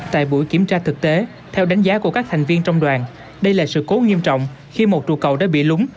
tại buổi kiểm tra thực tế theo đánh giá của các thành viên trong đoàn đây là sự cố nghiêm trọng khi một trụ cầu đã bị lúng